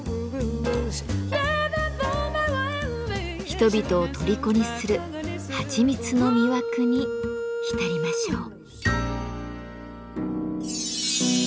人々をとりこにするはちみつの魅惑に浸りましょう。